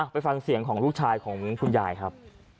ไปฟังเสียงของลูกชายของคุณยายครับ